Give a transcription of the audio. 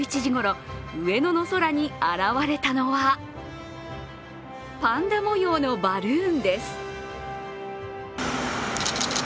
午前１１時ごろ、上野の空に現れたのはパンダ模様のバルーンです。